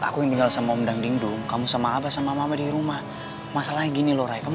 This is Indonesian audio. aku tinggal sama om dinding kamu sama abah sama mama di rumah masalahnya gini loh kamu